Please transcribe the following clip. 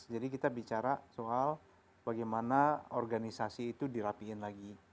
jadi kita bicara soal bagaimana organisasi itu dirapiin lagi